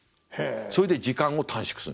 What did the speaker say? そいで時間を短縮する。